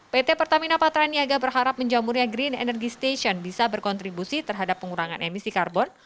pt pertamina patraniaga berharap menjamurnya green energy station bisa berkontribusi terhadap pengurangan emisi karbon